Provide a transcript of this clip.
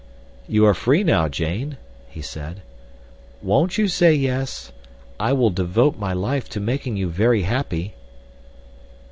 "You are free now, Jane," he said. "Won't you say yes—I will devote my life to making you very happy."